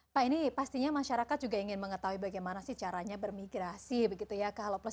pak ini pastinya masyarakat juga ingin mengetahui bagaimana sih caranya bermigrasi begitu ya ke halo plus